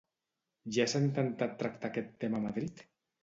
Ja s'ha intentat tractar aquest tema a Madrid?